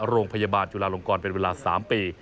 โรงพยาบาลจุลาลงกรเป็นเวลา๓ปี